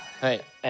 え